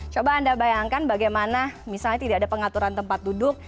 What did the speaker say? coba anda bayangkan bagaimana misalnya tidak ada pengaturan tempat duduk